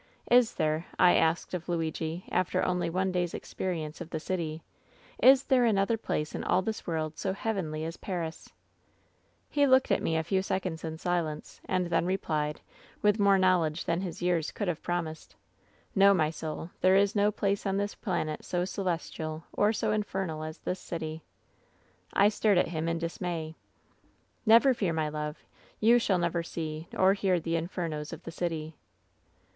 " ^Is there,' I asked of Luigi, after only one day's ex perience of the city — *is there another place in all this world so heavenly as Paris V WHEN SHADOWS DIE 171 "He looked at me a few seconds in silence, and then replied, with more knowledge than his years could have promised :" *No, my soul ! There is no place on this planet so celestial, or so infernal, as is this city/ "I stared at him in dismay. " ^Never fear, my love. You shall never see or hear the infernos of the city.